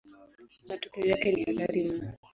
Matokeo yake ni hatari mno.